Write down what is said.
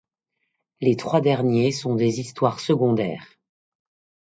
Les trois derniers sont des histoires secondaires.